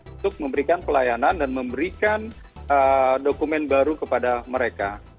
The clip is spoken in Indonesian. untuk memberikan pelayanan dan memberikan dokumen baru kepada mereka